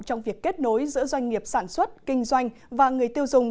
trong việc kết nối giữa doanh nghiệp sản xuất kinh doanh và người tiêu dùng